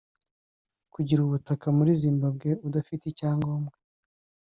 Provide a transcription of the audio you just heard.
Kugira ubutaka muri Zimbabwe udafite icyangombwa